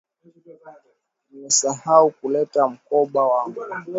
Nimesahau kuleta mkoba wangu.